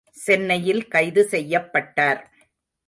சென்னையில் கைது செய்யப்பட்டார்.